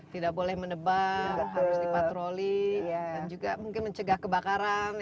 tidak boleh menebak harus dipatroli dan juga mungkin mencegah kebakaran